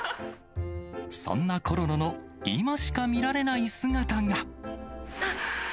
そんなコロロの、今しか見られない姿が。